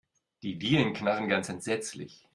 Die Dielen knarren ganz entsetzlich.